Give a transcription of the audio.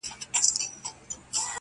کيسه د ذهن برخه ګرځي تل